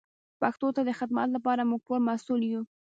پښتو ته د خدمت لپاره موږ ټول مسئول یو.